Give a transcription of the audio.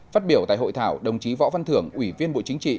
phát biểu tại hội thảo đồng chí võ văn thưởng ủy viên bộ chính trị